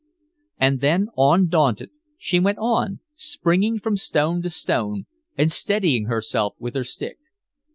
And then, undaunted, she went on, springing from stone to stone and steadying herself with her stick.